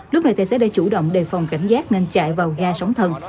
lúc này tài xế đã chủ động đề phòng cảnh giác nên chạy vào ga sóng thần